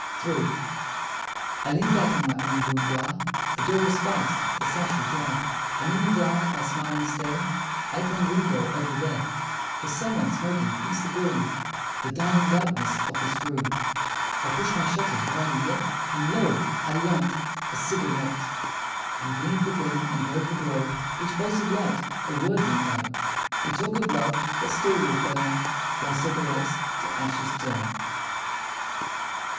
[Illustration: "HE SMOKES AND THAT'S ENOUGH," SAYS MA ] III. I lean back, in my own boudoir The door is fast, the sash ajar; And in the dark, I smiling stare At one window over there, Where some one, smoking, pinks the gloom, The darling darkness of his room! I push my shutters wider yet, And lo! I light a cigarette; And gleam for gleam, and glow for glow, Each pulse of light a word we know, We talk of love that still will burn While cigarettes to ashes turn.